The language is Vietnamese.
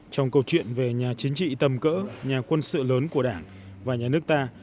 trong câu chuyện về nhà chính trị tầm cỡ nhà quân sự lớn của đảng và nhà nước ta